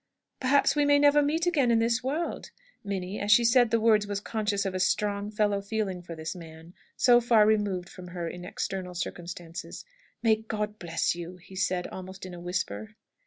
"Perhaps we may never meet again in this world!" Minnie, as she said the words, was conscious of a strong fellow feeling for this man, so far removed from her in external circumstances. "May God bless you!" he said, almost in a whisper.